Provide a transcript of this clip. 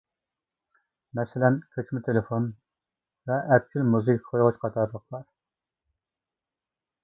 مەسىلەن، كۆچمە تېلېفون ۋە ئەپچىل مۇزىكا قويغۇچ قاتارلىقلار.